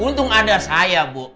untung ada saya bu